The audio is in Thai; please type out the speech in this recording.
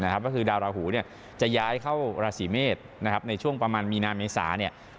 ก็คือดาวราหูจะย้ายเข้าราศีเมษในช่วงประมาณมีนาเมษาเนี่ย